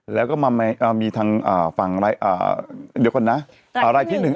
แล้วก็มาใหม่มีทางฝั่งอะไรอ่าวรายที่หนึ่ง